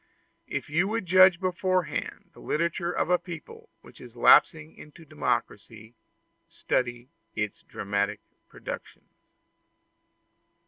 If you would judge beforehand of the literature of a people which is lapsing into democracy, study its dramatic productions.